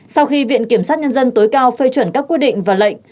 sau khi viện kiểm sát nhân dân tối cao phê chuẩn các quyết định và lệnh